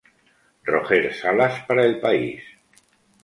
Roger Salas para el El País.